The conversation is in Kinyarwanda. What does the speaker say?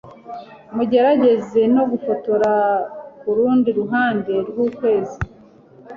Mugerageze no gufotora kurundi ruhande rwukwezi